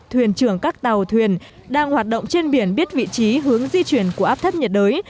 thuyền trưởng các tàu thuyền đang hoạt động trên biển biết vị trí hướng di chuyển của áp thấp nhiệt đới